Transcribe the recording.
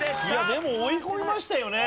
でも追い込みましたよね。